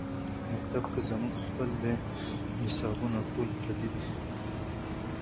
مکتب کۀ زمونږ خپل دے نصابونه ټول پردي دي